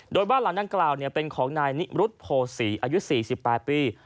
โดยบ้านหลังดังกล่าวเป็นของนายนิรุธโภษีอายุ๔๘ปี